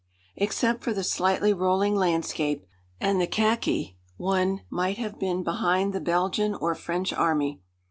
Except for the slightly rolling landscape and the khaki one might have been behind the Belgian or French Army.